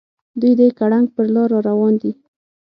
دوي د ګړنګ پر لار راروان دي.